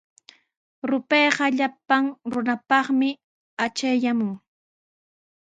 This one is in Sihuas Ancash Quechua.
Rupayqa llapan runapaqmi achikyaamun.